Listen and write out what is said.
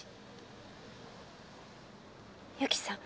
由紀さん？